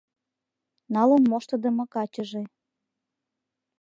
Налын моштыдымо качыже